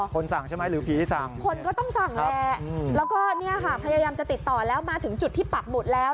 คนสั่งใช่ไหมหรือผีสั่งคนก็ต้องสั่งแหละแล้วก็เนี่ยค่ะพยายามจะติดต่อแล้วมาถึงจุดที่ปักหมุดแล้ว